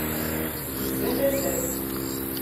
Tezza tasa-s.